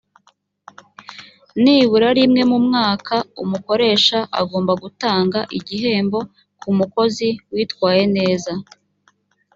nibura rimwe mu mwaka umukoresha agomba gutanga igihembo ku mukozi witwaye neza